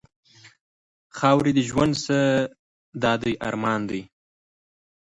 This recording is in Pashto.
خاوري دي ژوند سه؛ دا دی ارمان دی؛